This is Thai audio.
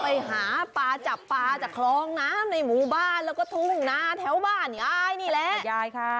หัวย้ายก็ไปหาปลาจับหลองน้ำในหมู่บ้านแล้วก็ทุ่งหน้าแถวบ้านยายนี่แหละ